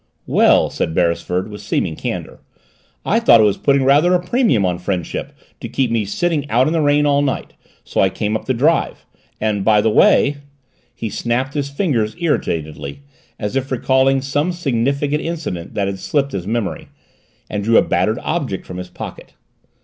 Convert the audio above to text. "We el," said Beresford with seeming candor, "I thought it was putting rather a premium on friendship to keep me sitting out in the rain all night, so I came up the drive and, by the way!" He snapped his fingers irritatedly, as if recalling some significant incident that had slipped his memory, and drew a battered object from his pocket.